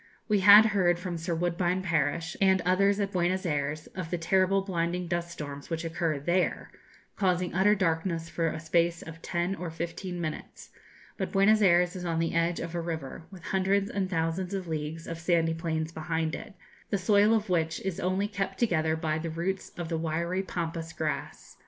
We had heard from Sir Woodbine Parish, and others at Buenos Ayres, of the terrible blinding dust storms which occur there, causing utter darkness for a space of ten or fifteen minutes; but Buenos Ayres is on the edge of a river, with hundreds and thousands of leagues of sandy plains behind it, the soil of which is only kept together by the roots of the wiry pampas grass.